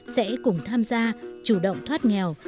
sẽ cùng tham gia chủ động thoát nghèo